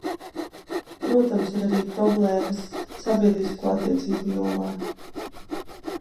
Protams, ir arī problēmas sabiedrisko attiecību jomā.